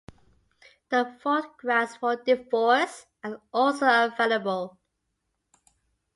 The fault grounds for divorce are also available.